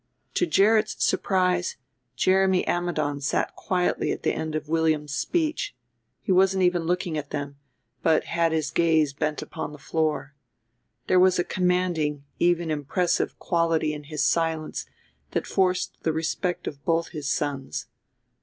To Gerrit's surprise Jeremy Ammidon sat quietly at the end of William's speech; he wasn't even looking at them, but had his gaze bent upon the floor. There was a commanding, even impressive, quality in his silence that forced the respect of both his sons.